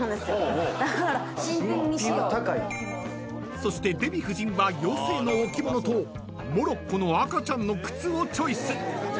［そしてデヴィ夫人は妖精の置物とモロッコの赤ちゃんの靴をチョイス］